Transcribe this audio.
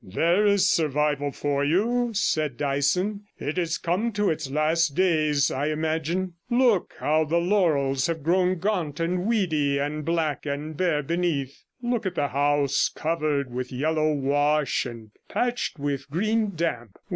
'There is a survival for you,' said Dyson; 'it has come to its last days, I imagine. Look how the laurels have grown gaunt and weedy, and black and bare beneath; look at the house, covered with yellow wash, and patched with green damp.